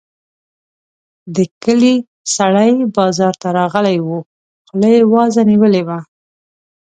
د کلي سړی بازار ته راغلی وو؛ خوله يې وازه نيولې وه.